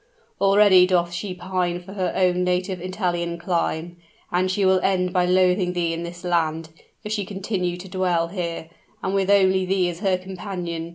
Already doth she pine for her own native Italian clime; and she will end by loathing thee and this land, if she continue to dwell here, and with only thee as her companion.